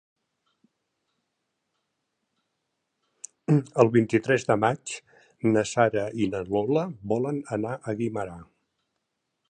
El vint-i-tres de maig na Sara i na Lola volen anar a Guimerà.